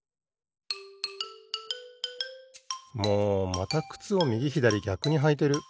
もうまたくつをみぎひだりぎゃくにはいてる！